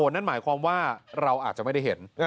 นั่นหมายความว่าเราอาจจะไม่ได้เห็น